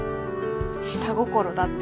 下心だって。